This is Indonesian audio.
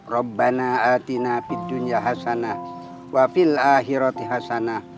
robbana atina bidunya hasanah wafil akhiroti hasanah